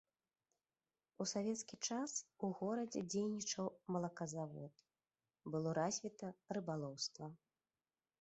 У савецкі час у горадзе дзейнічаў малаказавод, было развіта рыбалоўства.